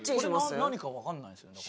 これ何かわかんないですよね。